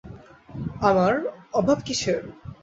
আমার অভার কিসের?